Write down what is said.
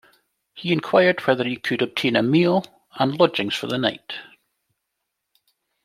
He inquired whether he could obtain a meal, and lodging for the night.